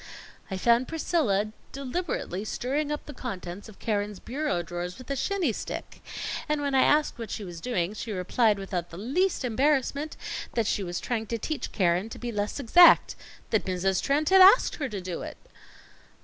"I found Priscilla deliberately stirring up the contents of Keren's bureau drawers with a shinny stick, and when I asked what she was doing, she replied without the least embarrassment, that she was trying to teach Keren to be less exact; that Mrs. Trent had asked her to do it."